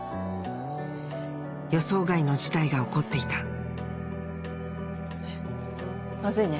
予想外の事態が起こっていたまずいね。